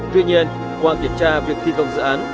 tuy nhiên qua kiểm tra việc thi công dự án